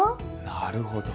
なるほど。